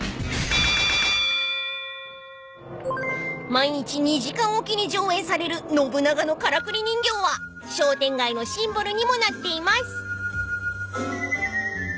［毎日２時間おきに上演される信長のからくり人形は商店街のシンボルにもなっています］